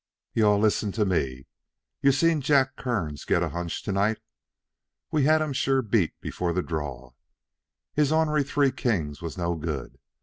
"You all listen to me. You seen Jack Kearns get a hunch to night. We had him sure beat before the draw. His ornery three kings was no good.